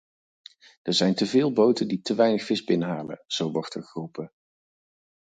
Er zijn te veel boten die te weinig vis binnenhalen, zo wordt er geroepen.